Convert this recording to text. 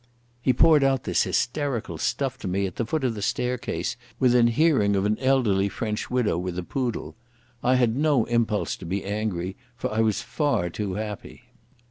He poured out this hysterical stuff to me at the foot of the staircase within hearing of an elderly French widow with a poodle. I had no impulse to be angry, for I was far too happy.